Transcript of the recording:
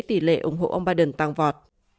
tỷ lệ ủng hộ ông biden tăng vọt